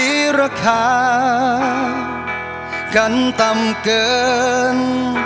มีราคากันต่ำเกิน